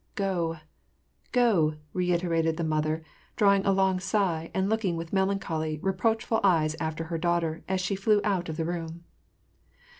" Go ! Go," reiter ated the mother, drawing a long sigh, and looking with melan choly, reproachful eyes after her daughter, as she flew out of the room.